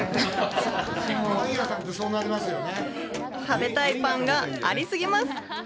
食べたいパンがあり過ぎます。